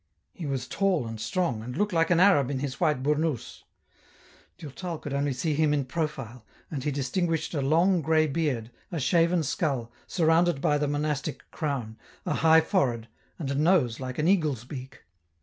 He was tall and strong, and looked like an Arab in his white burnous, Durtal could only see him in profile, and he distinguished a long grey beard, a shaven skull, surrounded by the monastic crown, a high forehead, and a nose like an eagle's beak.